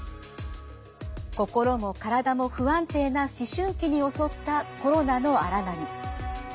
心も体も不安定な思春期に襲ったコロナの荒波。